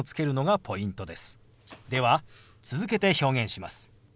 では続けて表現します。